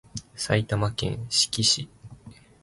埼玉県志木市